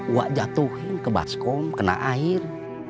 wak jatuhin ke baskom kena air